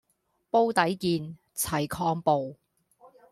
煲底見齊抗暴